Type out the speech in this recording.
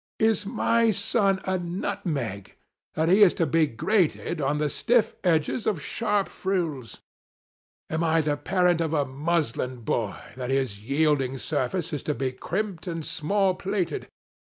Is my son a Nutmeg, that he is to be grated on the stiff edges of sharp frills 1 Am I the parent of a Muslin boy, that his yield ing surface is to be crimped and small plaited